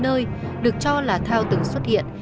nơi được cho là thao từng xuất hiện